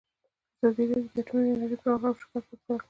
ازادي راډیو د اټومي انرژي پرمختګ او شاتګ پرتله کړی.